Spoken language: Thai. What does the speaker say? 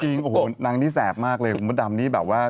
จริงนางนี้แสบมากเลยดำนี้แบบว่า